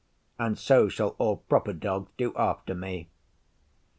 And so shall all proper Dogs do after me.